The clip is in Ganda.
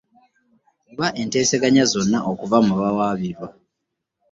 Oba enteeseganya zonna okuva mu bawawaabirwa